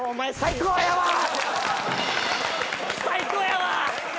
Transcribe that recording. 最高やわ！